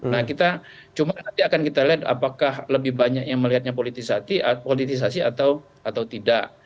nah kita cuma nanti akan kita lihat apakah lebih banyak yang melihatnya politisasi atau tidak